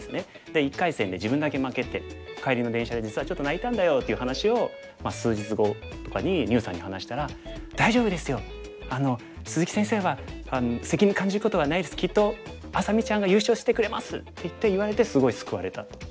で１回戦で自分だけ負けて「帰りの電車で実はちょっと泣いたんだよ」っていう話を数日後とかに牛さんに話したら「大丈夫ですよ！鈴木先生は責任感じることはないです。きっと愛咲美ちゃんが優勝してくれます」って言われてすごい救われたと。